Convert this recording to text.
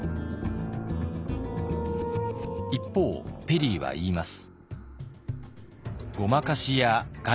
一方ペリーは言います。